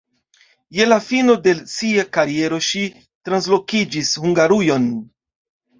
Je la fino de sia kariero ŝi translokiĝis Hungarujon.